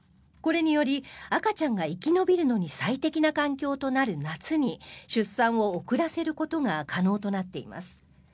これにより赤ちゃんが生き延びるのに最適な環境となる夏に出産を遅らせることが可能となっています。